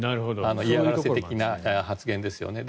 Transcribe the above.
嫌がらせ的な発言ですよね。